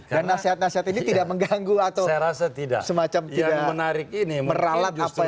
dan nasihat nasihat ini tidak mengganggu atau semacam tidak meralat apa yang dikatakan pak jk